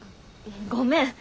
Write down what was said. ごめん。